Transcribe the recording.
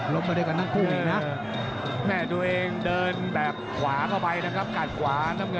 ตาระแค้ง